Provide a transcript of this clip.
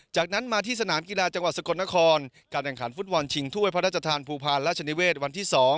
จากนั้นมาที่สนามกีฬาจังหวัดสกลนครการแข่งขันฟุตบอลชิงถ้วยพระราชทานภูพาลราชนิเวศวันที่๒